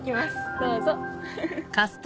どうぞ。